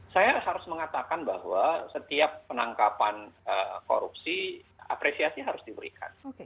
saya harus mengatakan bahwa setiap penangkapan korupsi apresiasi harus diberikan